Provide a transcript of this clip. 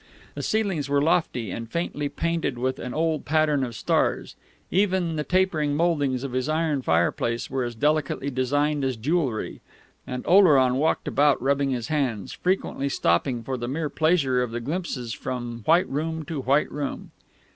The ceilings were lofty, and faintly painted with an old pattern of stars; even the tapering mouldings of his iron fireplace were as delicately designed as jewellery; and Oleron walked about rubbing his hands, frequently stopping for the mere pleasure of the glimpses from white room to white room....